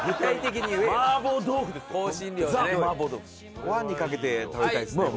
ご飯にかけて食べたいですね。